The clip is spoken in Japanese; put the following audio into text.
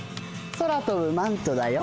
空とぶマントだよ。